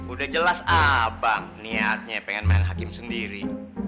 udah jelas abang niatnya pengen main hakim sendiri